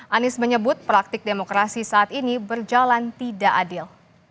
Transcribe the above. anies menyebut praktik demokrasi saat ini berjalan tidak adil